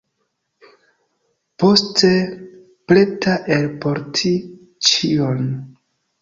Poste, preta elporti ĉion.